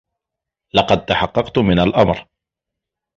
لقد تحققت من الامر